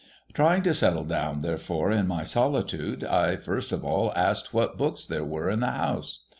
Trying to settle down, therefore, in my solitude, I first of all asked what books there were in the house.